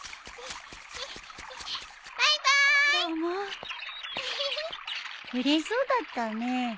うれしそうだったね。